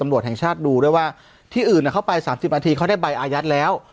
ตำรวจแห่งชาติดูด้วยว่าที่อื่นเข้าไป๓๐นาทีเขาได้ใบอายัดแล้ว